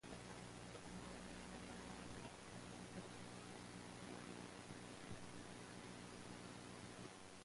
The electoral failure led many like De Benoist to question their political involvement.